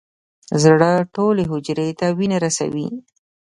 زړه ټولې حجرې ته وینه رسوي.